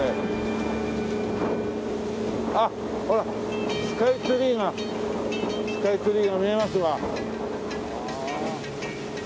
あっほらスカイツリーがスカイツリーが見えますわ。